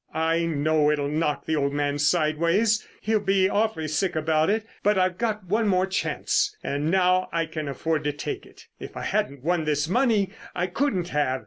I know it'll knock the old man sideways: he'll be awfully sick about it. But I've got one more chance, and now I can afford to take it. If I hadn't won this money I couldn't have.